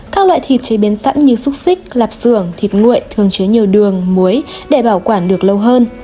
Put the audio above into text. các loại thịt chế biến sẵn như xúc xích lạp sưởng thịt nguội thường chứa nhiều đường muối để bảo quản được lâu hơn